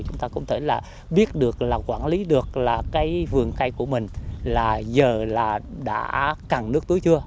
chúng ta cũng có thể biết được quản lý được vườn cây của mình là giờ đã cằn nước tưới chưa